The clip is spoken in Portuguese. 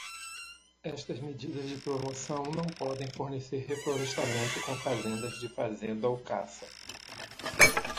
Estas medidas de promoção não podem fornecer reflorestamento com fazendas de fazenda ou caça.